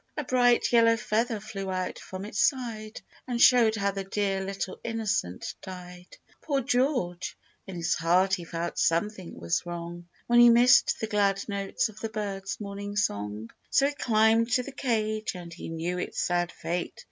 A bright yellow feather flew out from its side, And showed how the dear little innocent died ! Poor George ! in his heart he felt something was wrong, When he missed the glad notes of the bird's morn ing song. So he climbed to the cage, and he knew its sad fate